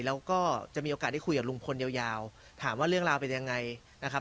แล้วก็จะมีโอกาสได้คุยกับลุงพลยาวถามว่าเรื่องราวเป็นยังไงนะครับ